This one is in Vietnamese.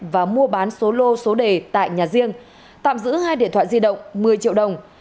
và mua bán số lô số đề tại nhà riêng tạm giữ hai điện thoại di động một mươi triệu đồng